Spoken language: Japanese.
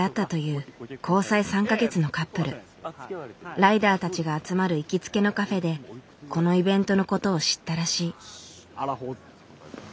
ライダーたちが集まる行きつけのカフェでこのイベントのことを知ったらしい。